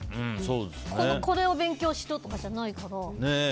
これを勉強しろとかじゃないから。